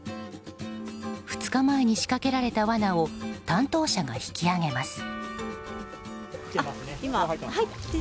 ２日前に仕掛けられたわなを担当者が引き上げます。